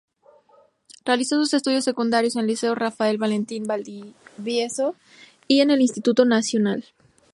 Realizó sus estudios secundarios en Liceo Rafael Valentín Valdivieso y en el Instituto Nacional.